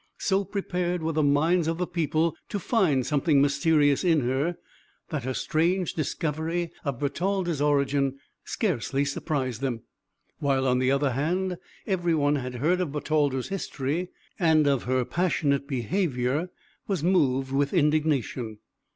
So prepared were the minds of the people to find something mysterious in her, that her strange discovery of Bertalda's origin scarcely surprised them; while, on the other hand, everyone that heard of Bertalda's history and of her passionate behaviour, was moved with indignation.